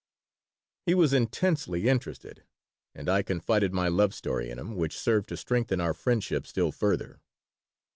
He was intensely interested, and I confided my love story in him, which served to strengthen our friendship still further.